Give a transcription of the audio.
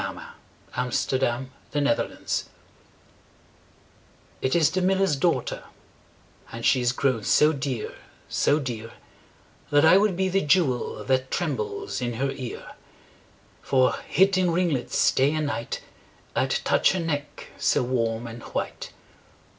1809–1892 701. The Miller's Daughter IT is the miller's daughter, And she is grown so dear, so dear, That I would be the jewel That trembles in her ear: For hid in ringlets day and night, 5 I'd touch her neck so warm and white.